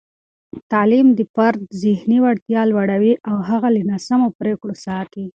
تعلیم د فرد ذهني وړتیا لوړوي او هغه له ناسمو پرېکړو ساتي.